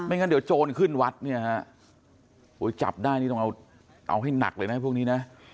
ไม่งั้นเดี๋ยวโจรขึ้นวัดจับได้ต้องเอาให้หนักเลยนะพวกนี้